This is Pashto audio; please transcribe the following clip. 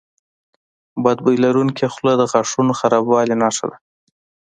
بد بوی لرونکي خوله د غاښونو خرابوالي نښه ده.